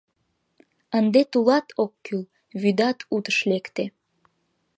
Ынде тулат ок кӱл, вӱдат утыш лекте.